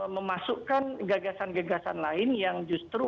memasukkan gagasan gagasan lain yang justru